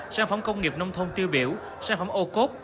sản phẩm công nghiệp nông thôn tiêu biểu sản phẩm ô cốt